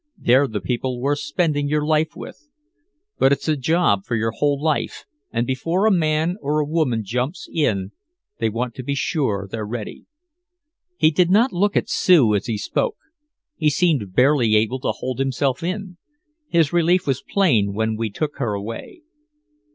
They're the people worth spending your life with. But it's a job for your whole life and before a man or a woman jumps in they want to be sure they're ready." He did not look at Sue as he spoke. He seemed barely able to hold himself in. His relief was plain when we took her away.